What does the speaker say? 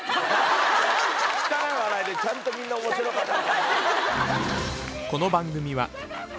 汚い笑いでちゃんとみんな面白かった。